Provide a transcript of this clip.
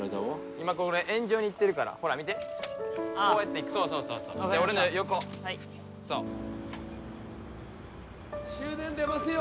今これ円状にいってるからほら見てこうやっていくそうそうで俺の横そう・終電出ますよ！